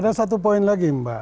ada satu poin lagi mbak